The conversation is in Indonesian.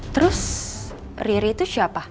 terus riri itu siapa